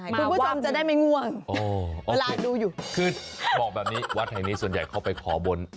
คุณผู้ชมจะได้ไม่ง่วงเวลาดูอยู่คือบอกแบบนี้วัดแห่งนี้ส่วนใหญ่เข้าไปขอบน